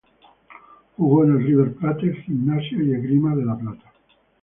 Jugó en River Plate, Gimnasia y Esgrima de La Plata.